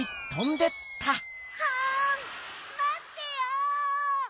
はんまってよ！